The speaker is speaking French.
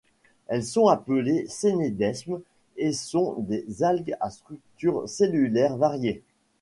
Elles sont appelées scénédesmes et sont des algues à structure cellulaire variée.